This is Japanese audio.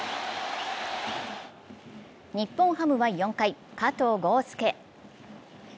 日本ハムは４回、加藤豪将。